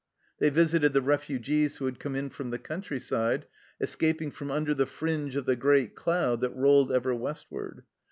They visited the refugees who had come in from the country side, escaping from under the fringe of the great cloud that rolled ever westward.